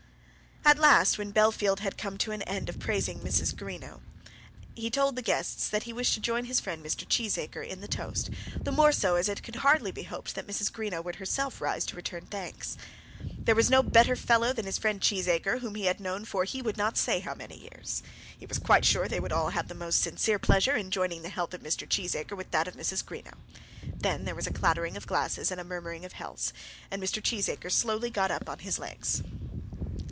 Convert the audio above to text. At last, when Bellfield had come to an end of praising Mrs. Greenow, he told the guests that he wished to join his friend Mr. Cheesacre in the toast, the more so as it could hardly be hoped that Mrs. Greenow would herself rise to return thanks. There was no better fellow than his friend Cheesacre, whom he had known for he would not say how many years. He was quite sure they would all have the most sincere pleasure in joining the health of Mr. Cheesacre with that of Mrs. Greenow. Then there was a clattering of glasses and a murmuring of healths, and Mr. Cheesacre slowly got upon his legs.